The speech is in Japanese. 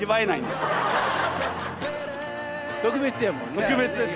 特別ですね。